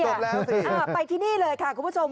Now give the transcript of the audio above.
จบแล้วสิไปที่นี่เลยค่ะคุณผู้ชม